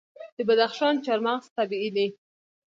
د بدخشان چهارمغز طبیعي دي.